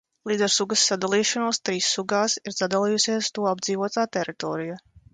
Līdz ar sugas sadalīšanos trīs sugās, ir sadalījusies to apdzīvotā teritorija.